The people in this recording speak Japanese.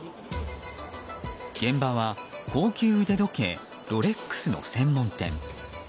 現場は高級腕時計ロレックスの専門店。